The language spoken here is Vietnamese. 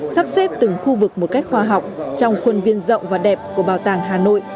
sắp xếp từng khu vực một cách khoa học trong khuôn viên rộng và đẹp của bảo tàng hà nội